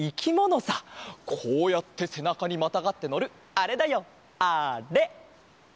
こうやってせなかにまたがってのるあれだよあれ！